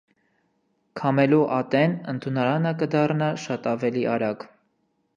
Քամելու ատեն, ընդունարանը կը դառնայ շատ աւելի արագ։